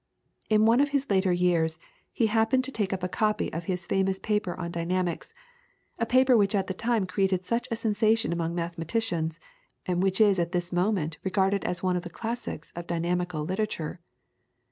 In one of his later years he happened to take up a copy of his famous paper on Dynamics, a paper which at the time created such a sensation among mathematicians, and which is at this moment regarded as one of the classics of dynamical literature.